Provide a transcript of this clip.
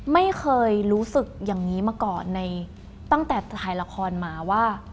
ไม่เคยรู้สึกอย่างนี้มาก่อนในตั้งแต่ถ่ายละครมาว่า